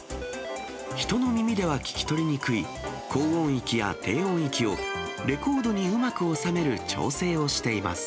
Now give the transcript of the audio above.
人の耳では聞き取りにくい、高音域や低音域を、レコードにうまく収める調整をしています。